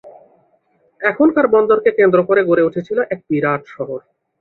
এখানকার বন্দরকে কেন্দ্র করে গড়ে উঠেছিল এক বিরাট শহর।